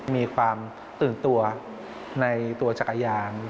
มีความตื่นตัวในตัวจักรยาน